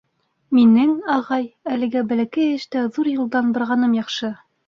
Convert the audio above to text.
Минең, ағай, әлегә бәләкәй эштә ҙур юлдан барғаным яҡшы.